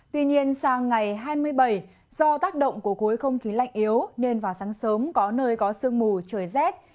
tuy nhiên sang ngày hai mươi bảy do tác động của khối không khí lạnh yếu nên vào sáng sớm có nơi có sương mù trời rét